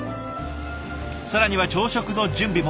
更には朝食の準備も。